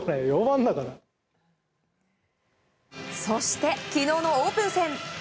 そして昨日のオープン戦。